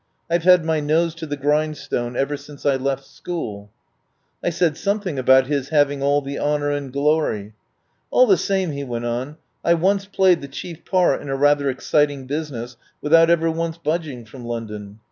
I've had my nose to the grind stone ever since I left school." I said something about his having all the honour and glory. "All the same," he went on, "I once played the chief part in a rather exciting business without ever once budging from London.